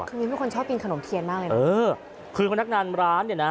คือมิ้นเป็นคนชอบกินขนมเทียนมากเลยนะเออคือพนักงานร้านเนี่ยนะ